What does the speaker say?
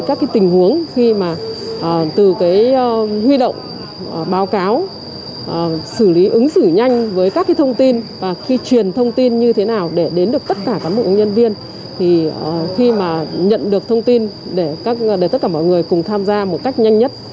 các bộ nhân viên khi nhận được thông tin để tất cả mọi người cùng tham gia một cách nhanh nhất